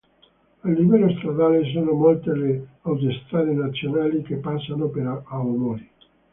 A livello stradale sono molte le autostrade nazionali che passano per Aomori.